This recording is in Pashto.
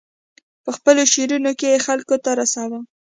په خپلو شعرونو کې یې خلکو ته رساوه.